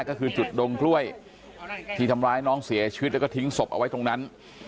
ก็คือจุดดงกล้วยที่ทำร้ายน้องเสียชีวิตแล้วก็ทิ้งศพเอาไว้ตรงนั้น